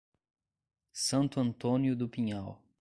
Santo Antônio do Pinhal